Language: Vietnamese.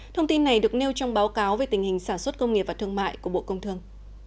thông tin này được nêu trong báo cáo về tình hình sản xuất công nghiệp và thương mại của bộ công thương